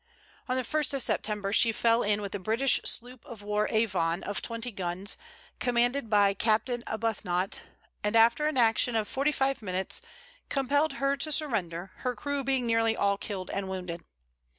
On the 1st of September she fell in with the British sloop of war Avon, of twenty guns, commanded by Captain Abuthnot, and after an action of forty five minutes, compelled her to surrender, her crew being nearly all killed and wounded.